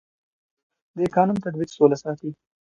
د قانون تطبیق سوله ساتي